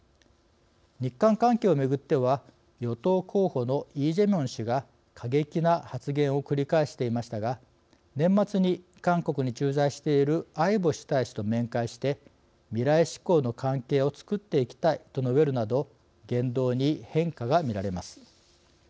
日韓関係をめぐっては与党候補のイ・ジェミョン氏が過激な発言を繰り返していましたが年末に韓国に駐在している相星大使と面会して「未来志向の関係を作っていきたい」と述べるなど言動に変化が見られます。